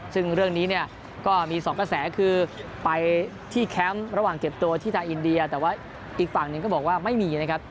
ซึ่งเรื่องนี้เนี่ยก็มีสองกระแสคือไปที่แคมป์ระหว่างเก็บตัวที่ทางอินเดียแต่ว่าอีกฝั่งหนึ่งก็บอกว่าไม่มีนะครับ